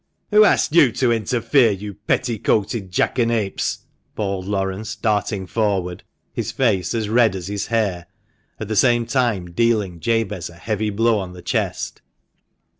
"Who asked you to interfere? you petticoated jackanapes!" bawled Laurence, darting forward, his face as red as his hair, at the same time" dealing Jabez a heavy blow on the chest.